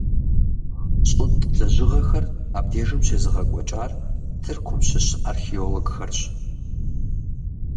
ЩӀытӀ лэжьыгъэхэр абдежым щезыгъэкӀуэкӀар Тыркум щыщ археологхэрщ.